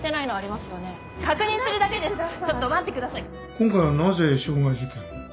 今回はなぜ傷害事件を？